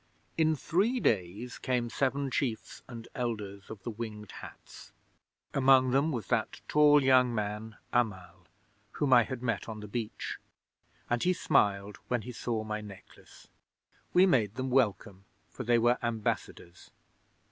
'In three days came seven chiefs and elders of the Winged Hats. Among them was that tall young man, Amal, whom I had met on the beach, and he smiled when he saw my necklace. We made them welcome, for they were ambassadors.